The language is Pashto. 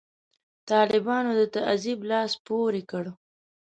طالبانو د تعذیب لاس پورې کړ.